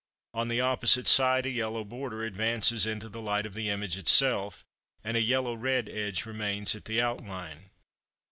On the opposite side a yellow border advances into the light of the image itself, and a yellow red edge remains at the outline.